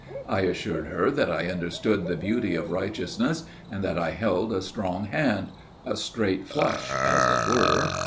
I assured her that I understood the beauty of righteousness, and that I held a strong hand a straight flush, as it were.